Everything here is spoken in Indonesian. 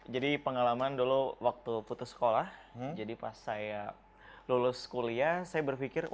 pengalaman dulu waktu putus sekolah jadi pas saya lulus kuliah saya berpikir